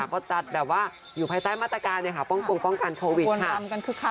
ก็จัดแบบว่าอยู่ภายใต้มาตรการป้องกงป้องกันโควิดค่ะ